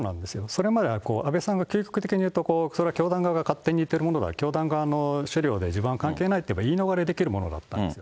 それまでは、安倍さんが、それは教団側が勝手に言ってるものだ、教団側の資料で、自分は関係ないって自分は言い逃れできるものだったんです。